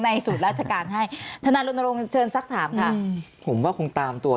ในสูตรราชการให้ธนาโลนโลงเชิญซักถามค่ะผมว่าคงตามตัว